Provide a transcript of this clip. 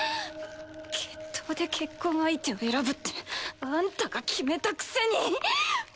決闘で結婚相手を選ぶってあんたが決めたくせに！